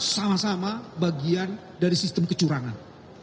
sama sama bagian dari sistem kecurangan